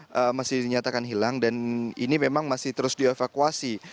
yang masih dinyatakan hilang dan ini memang masih terus dievakuasi